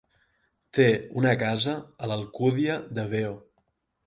Té una casa a l'Alcúdia de Veo.